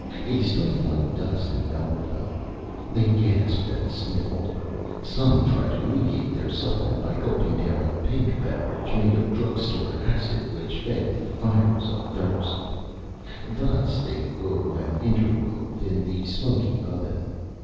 A stifling Dust enveloped them. They Gasped and Sniffled. Some tried to alleviate their Sufferings by gulping down a Pink Beverage made of Drug Store Acid, which fed the Fires of Thirst. Thus they wove and interwove in the smoky Oven.